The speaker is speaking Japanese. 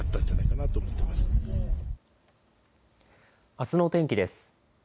あすの天気です。